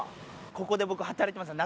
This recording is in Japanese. ここで僕働いてました。